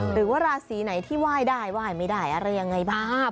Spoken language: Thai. หรือว่าราศีไหนที่ไหว้ได้ไหว้ไม่ได้อะไรยังไงบ้าง